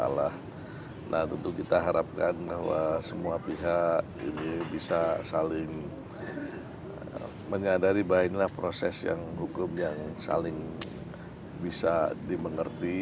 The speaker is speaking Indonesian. nah tentu kita harapkan bahwa semua pihak ini bisa saling menyadari bahwa inilah proses yang hukum yang saling bisa dimengerti